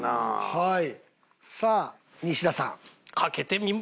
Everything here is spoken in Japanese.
はい。